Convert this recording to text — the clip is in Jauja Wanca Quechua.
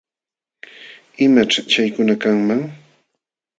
¿Imaćh chaykuna kanman?